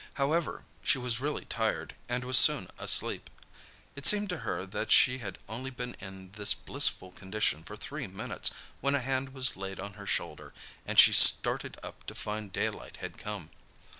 However, she was really tired, and was soon asleep. It seemed to her that she had only been in this blissful condition for three minutes when a hand was laid on her shoulder and she started up to find daylight had come.